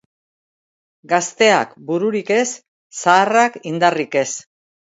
Gazteak bururik ez, zaharrak indarrik ez.